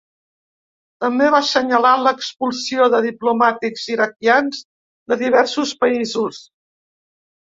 També va assenyalar l'expulsió de diplomàtics iraquians de diversos països.